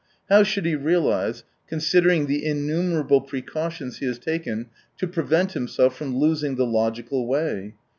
How should he realise, considering the innumer able precautions he has taken to prevent himself from losing the logical way